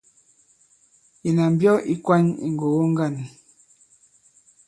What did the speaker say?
Ìnà mbyɔ ì kwany ì ŋgògo ŋgân.